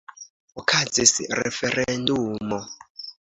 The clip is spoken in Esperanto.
Okazis referendumo.